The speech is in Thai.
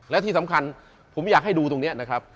และที่สำคัญผมอยากให้ดูตรงนี้นะครับ